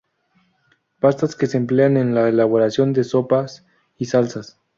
Pastas que se emplean en la elaboración de sopas, y salsas.